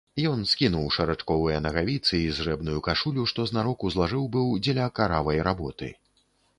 Ён скінуў шарачковыя нагавіцы й зрэбную кашулю, што знарок узлажыў быў дзеля каравай работы.